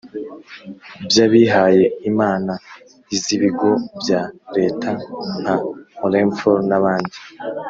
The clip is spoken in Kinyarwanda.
by’abihaye imana, iz’ibigo bya leta nka orinfor n’abandi.